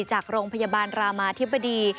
จากโรงพยาบาลรามาธิบดี